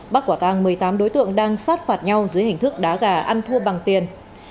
bắt quả tàng một mươi tám đối tượng đang sát phạt nhau dưới hình thức đá gà ăn thua bằng tiền